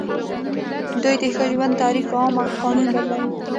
دوی د ښه ژوند تعریف په عام قانون بدلوي.